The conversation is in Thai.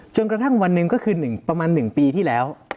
จนกระทั่งวันหนึ่งก็คือประมาณ๑ปีที่แล้ว